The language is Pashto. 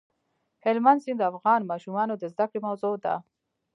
هلمند سیند د افغان ماشومانو د زده کړې موضوع ده.